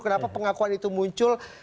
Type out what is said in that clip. kenapa pengakuan itu muncul